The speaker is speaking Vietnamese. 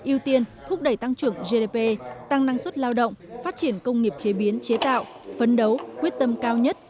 ưu tiên thúc đẩy tăng trưởng gdp tăng năng suất lao động phát triển công nghiệp chế biến chế tạo phấn đấu quyết tâm cao nhất